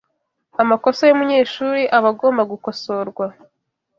’amakosa y’umunyeshuri aba agomba gukosorwa